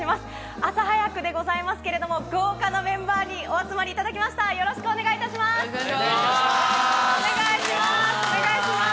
朝早くでございますけれども、豪華なメンバーにお集まりいただきました。